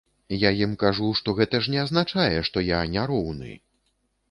Я ім кажу, што гэта ж не азначае што я не роўны!